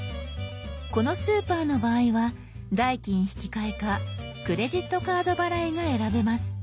このスーパーの場合は代金引換かクレジットカード払いが選べます。